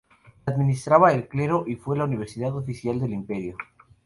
La administraba el clero, y fue la universidad oficial del imperio.